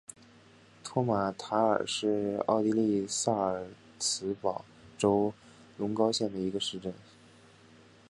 托马塔尔是奥地利萨尔茨堡州隆高县的一个市镇。